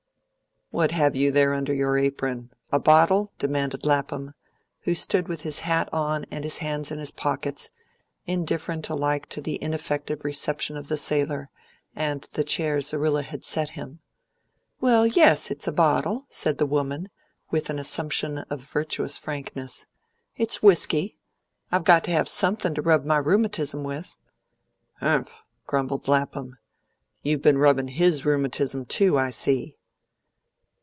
"What have you got there under your apron? A bottle?" demanded Lapham, who stood with his hat on and his hands in his pockets, indifferent alike to the ineffective reception of the sailor and the chair Zerrilla had set him. "Well, yes, it's a bottle," said the woman, with an assumption of virtuous frankness. "It's whisky; I got to have something to rub my rheumatism with." "Humph!" grumbled Lapham. "You've been rubbing HIS rheumatism too, I see."